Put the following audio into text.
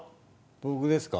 僕ですか？